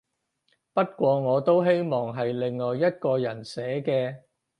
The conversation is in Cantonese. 不過我都希望係另外一個人寫嘅